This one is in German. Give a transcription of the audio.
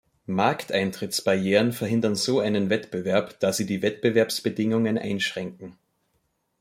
Markteintrittsbarrieren verhindern so einen Wettbewerb, da sie die Wettbewerbsbedingungen einschränken.